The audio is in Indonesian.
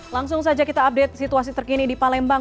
langsung saja kita update situasi terkini di palembang